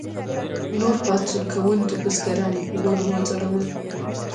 نور پاڅون کوونکي بزګران یې په ونو وځړول.